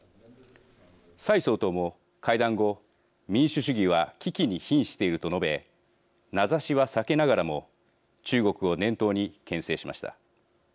蔡総統も会談後「民主主義は危機にひんしている」と述べ名指しは避けながらも中国を念頭にけん制しました。